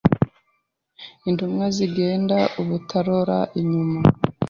Intumwa zigenda ubutarora inyuma